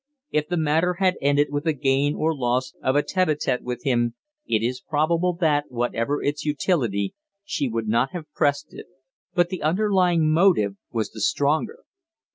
If the matter had ended with the gain or loss of a tete a tete with him, it is probable that, whatever its utility, she would not have pressed it, but the underlying motive was the stronger.